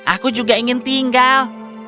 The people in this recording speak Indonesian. aku juga ingin tinggal